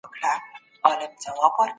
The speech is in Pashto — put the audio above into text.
امرمنونکي به تل د واکمنانو اطاعت ونکړي.